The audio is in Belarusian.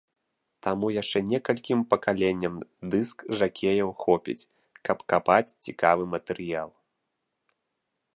Таму яшчэ некалькім пакаленням дыск-жакеяў хопіць, каб капаць цікавы матэрыял.